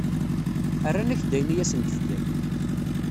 Rran-ak-d ayen i asen-tefkiḍ.